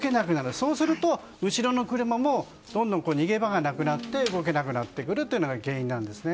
そうすると後ろの車もどんどん逃げ場がなくなって動けなくなってくるのが原因なんですね。